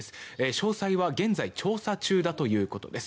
詳細は現在調査中だということです。